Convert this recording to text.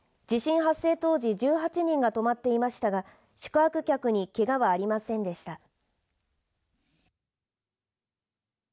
地震発生当時１８人が泊まっていましたが宿泊客にけがはありませんでした。